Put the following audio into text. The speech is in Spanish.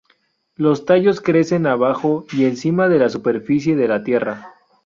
Los tallos crecen abajo y encima de la superficie de la tierra.